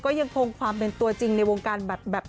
ก็ยังคงความเป็นตัวจริงในวงการแบบ